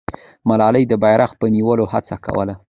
ملالۍ د بیرغ په نیولو هڅه کوله.